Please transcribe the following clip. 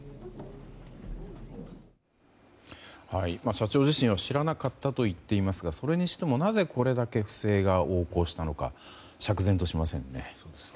社長自身は知らなかったと言っていますがそれにしてもなぜこれだけ不正が横行したのか釈然としませんね。